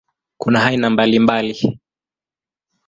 Kuna aina mbalimbali.